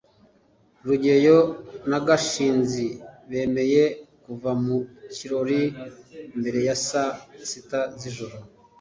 rugeyo na gashinzi bemeye kuva mu kirori mbere ya saa sita z'ijoro